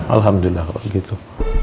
alhamdulillah kok gitu